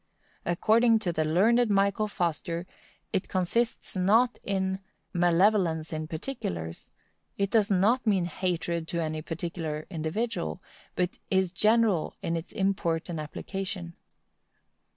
According to the learned Michael Foster, it consists not in "malevolence to particulars," it does not mean hatred to any particular individual, but is general in its import and application.